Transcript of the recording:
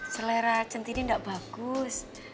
selera centini enggak bagus